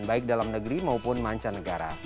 baik dalam negeri maupun mancanegara